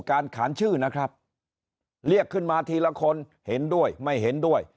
ขานชื่อนะครับเรียกขึ้นมาทีละคนเห็นด้วยไม่เห็นด้วย